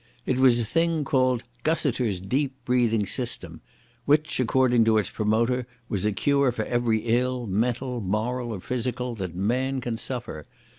It was a thing called "Gussiter's Deep breathing System," which, according to its promoter, was a cure for every ill, mental, moral, or physical, that man can suffer.